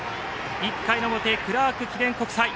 １回の表、クラーク記念国際。